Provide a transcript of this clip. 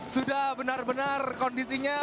sudah benar benar kondisinya